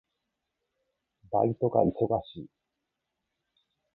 バイトが忙しい。